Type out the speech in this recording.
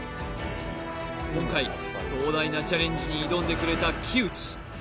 今回壮大なチャレンジに挑んでくれた木内